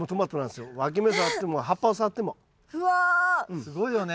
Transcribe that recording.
すごいよね。